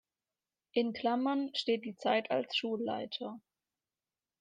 In Klammern steht die Zeit als Schulleiter.